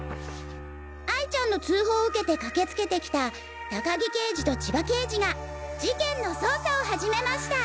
哀ちゃんの通報を受けて駆けつけてきた高木刑事と千葉刑事が事件の捜査を始めました」。